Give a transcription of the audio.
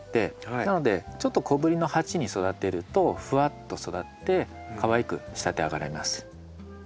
なのでちょっと小ぶりの鉢に育てるとふわっと育ってかわいく仕立て上げられます。